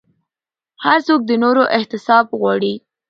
هر څوک د نورو احتساب غواړي